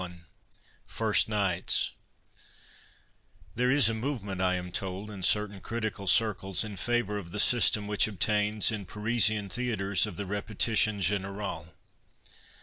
Ill FIRST NIGHTS There is a movement, I am told, in certain critical circles in favour of the system which obtains in Parisian theatres of the repetition generale.